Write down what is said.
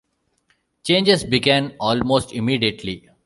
Changes began almost immediately.